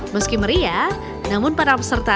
meski meriah namun para peserta